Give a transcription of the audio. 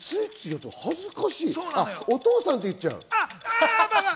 お父さんて言っちゃう。